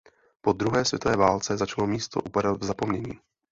Po druhé světové válce začalo místo upadat v zapomnění.